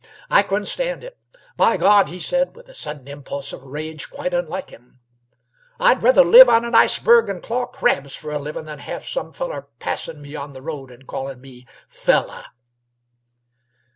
I couldn't stand it. By God!" he said, with a sudden impulse of rage quite unusual, "I'd rather live on an iceberg and claw crabs f'r a livin' than have some feller passin' me on the road an' callin' me 'fellah!'"